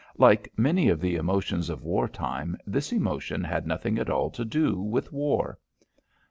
Like many of the emotions of war time, this emotion had nothing at all to do with war.